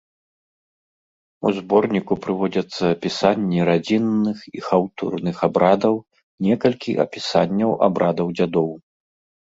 У зборніку прыводзяцца апісанні радзінных і хаўтурных абрадаў, некалькі апісанняў абрадаў дзядоў.